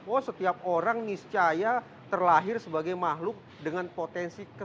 oh setiap orang miscaya terlahir sebagai makhluk dengan potensi yang kodrati